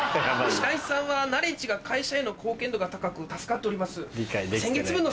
白井さんはナレッジが会社への貢献度が高く助かっております。